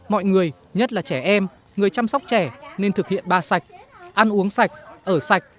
mọi người nhất là trẻ em người chăm sóc trẻ nên thực hiện ba sạch ăn uống sạch ở sạch